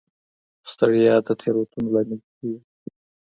ستړیا د تېروتنو لامل کېږي.